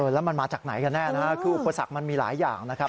แล้วมันมาจากไหนกันแน่นะฮะคืออุปสรรคมันมีหลายอย่างนะครับ